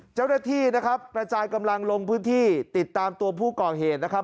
เจ้าหน้าที่นะครับกระจายกำลังลงพื้นที่ติดตามตัวผู้ก่อเหตุนะครับ